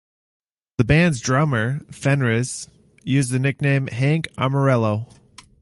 The band's drummer, Fenriz, used the nickname "Hank Amarillo".